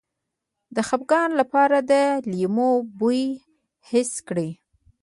د خپګان لپاره د لیمو بوی حس کړئ